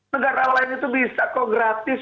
negara lain itu bisa kok gratis